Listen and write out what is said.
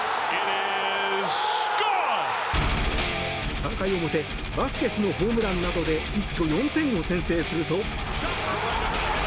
３回表バスケスのホームランなどで一挙４点を先制すると。